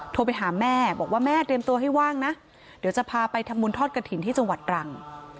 โทรไปหาแม่บอกว่าแม่เตรียมตัวให้ว่างนะเดี๋ยวจะพาไปทำบุญทอดกระถิ่นที่จังหวัดตรัง